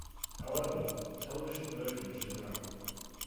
However, the television version of Shazam!